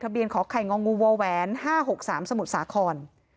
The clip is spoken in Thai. ทะเบียนขอไข่งองูววแหวนห้าหกสามสมุทรสาคอน